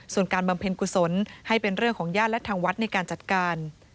ส่วนการบำเพ็ญกุศลให้เป็นเรื่องของญาติและทางวัดในการจัดการ